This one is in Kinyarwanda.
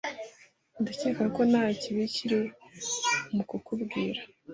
Ndakeka ko nta kibi kiri mu kukubwira.